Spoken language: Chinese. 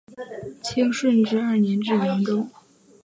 清顺治二年至扬州。